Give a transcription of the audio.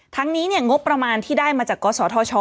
ทั้งนี้เนี่ยงบประมาณที่ได้มาจากกสท